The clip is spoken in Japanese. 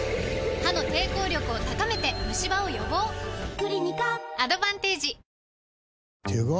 クリニカアドバンテージ手紙？